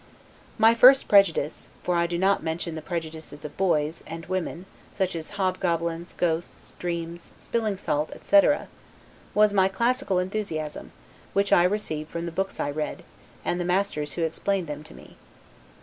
My first prejudice (for I do not mention the prejudices of boys, and women, such as hobgoblins, ghosts, dreams, spilling salt, etc.) was my classical enthusiasm, which I received from the books I read, and the masters who explained them to me.